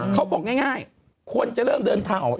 เขาบอกง่ายคนจะเริ่มเดินทางออก